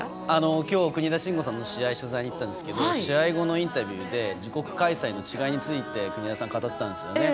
きょう国枝慎吾さんの試合取材にいったんですが試合後のインタビューで自国開催の違いについて国枝さん語ってたんですよね。